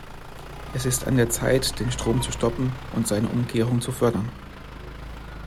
Es ist an der Zeit, den Strom zu stoppen und seine Umkehrung zu fördern.